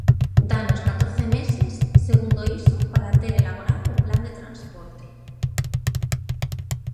Dános catorce meses, segundo iso, para ter elaborado o Plan de transporte.